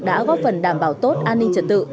đã góp phần đảm bảo tốt an ninh trật tự